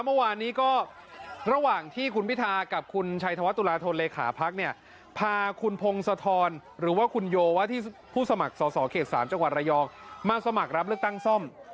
เมื่อวานนี้ก็ระหว่างที่คุณพิทากับคุณชัยธวัตุลาธนเลขาพักเนี่ยพาคุณพงศธรหรือว่าคุณโยว่าที่ผู้สมัครสอสอเขต๓จังหวัดระยองมาสมัครรับเลือกตั้งซ่อม